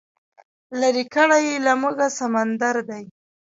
لرې کړی یې له موږه سمندر دی